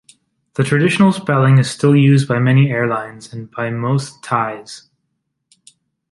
The traditional spelling is still used by many airlines and by most Thais.